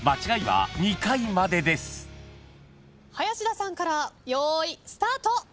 林田さんから用意スタート。